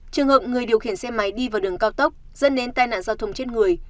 trường hợp người điều khiển xe máy đi vào đường cao tốc dẫn đến tai nạn giao thông chết người